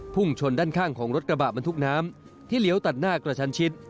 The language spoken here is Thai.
พุ่งชนด้านข้างของรถกระบะบรรทุกน้ำที่เลี้ยวตัดหน้ากระชันชิด